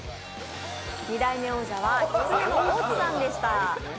二代目王者はきつねの大津さんでした。